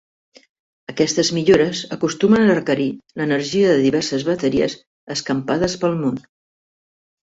Aquestes millores acostumen a requerir l'energia de diverses bateries escampades pel món.